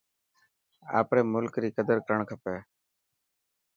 آپري ملڪ ري قدر ڪرڻ کپي.